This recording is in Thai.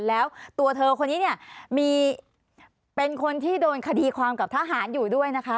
แล้วตัวเธอคนนี้เนี่ยมีเป็นคนที่โดนคดีความกับทหารอยู่ด้วยนะคะ